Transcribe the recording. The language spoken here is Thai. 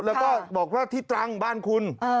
แล้วก็บอกว่าที่ตรังบ้านคุณ